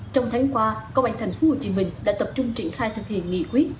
trong tháng qua công an tp hcm đã tập trung triển khai thực hiện nghị quyết